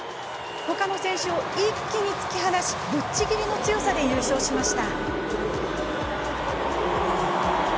ほかの選手を一気に突き放しぶっちぎりの強さで優勝しました。